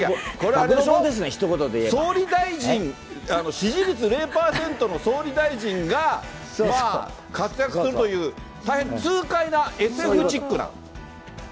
爆笑もんですね、総理大臣、支持率０％の総理大臣が、活躍するという、大変、痛快なＳＦチックな。